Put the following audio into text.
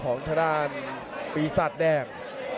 ของทางด้านวิสัตว์แดง